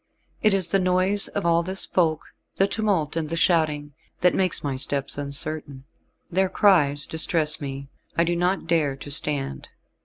It is the noise of all this folk the tumult and the shouting that makes my steps uncertain. Their cries distress me, I do not dare to stand."